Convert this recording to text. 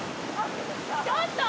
ちょっと。